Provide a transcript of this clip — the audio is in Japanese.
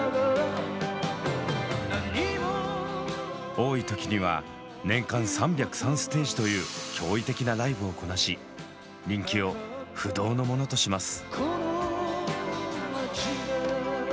多い時には年間３０３ステージという驚異的なライブをこなし人気を不動のものとします。